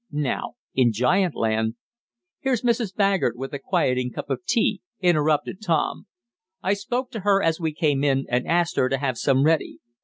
Now in giant land " "Here's Mrs. Baggert with a quieting cup of tea," interrupted Tom. "I spoke to her as we came in, and asked her to have some ready.